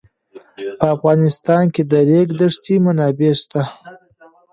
په افغانستان کې د د ریګ دښتې منابع شته.